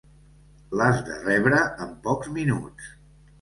L'has de rebre en pocs minuts.